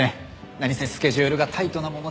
何せスケジュールがタイトなもので。